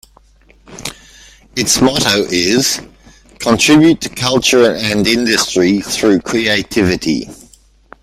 Its motto is "Contribute to culture and industry through creativity".